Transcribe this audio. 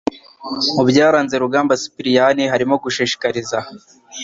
Mu byaranze Rugamba Sipiriyani harimo gushishikariza